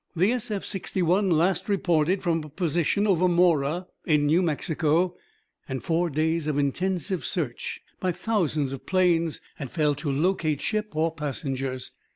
The SF 61 last reported from a position over Mora in New Mexico, and four days of intensive search by thousands of planes had failed to locate ship or passengers.